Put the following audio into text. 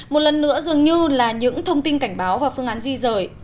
một lần nữa dường như là những thông tin cảnh báo và phương án di rời